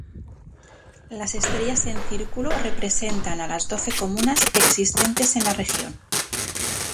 Las estrellas en círculo representan a las doce comunas existentes en la región.